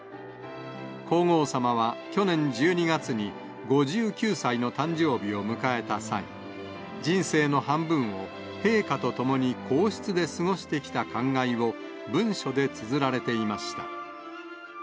皇后さまは、去年１２月に５９歳の誕生日を迎えた際、人生の半分を陛下と共に皇室で過ごしてきた感慨を、文書でつづられていました。